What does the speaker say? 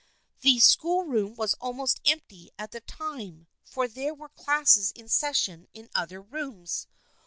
The schoolroom was almost empty at the time, for there were classes in session in other rooms.